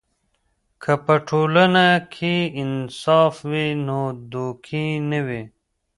که په ټولنه کې انصاف وي، نو دوکې نه وي.